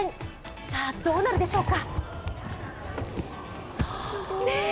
さあ、どうなるでしょうか？